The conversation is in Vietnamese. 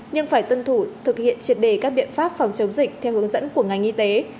nhưng phải tuân thủ thực hiện triệt đề các biện pháp phòng chống dịch theo hướng dẫn của ngành y tế